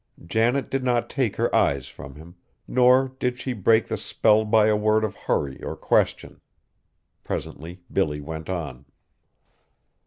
Janet did not take her eyes from him, nor did she break the spell by a word of hurry or question. Presently Billy went on.